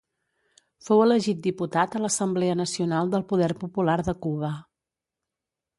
Fou elegit diputat a l'Assemblea Nacional del Poder Popular de Cuba.